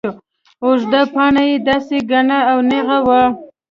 اوږده باڼه يې داسې گڼ او نېغ وو.